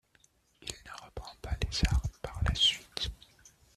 Il ne reprend pas les armes par la suite.